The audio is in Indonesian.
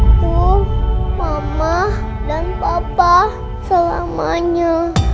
aku berdoa agar mama selamanya